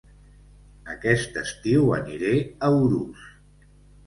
Aquest estiu aniré a Urús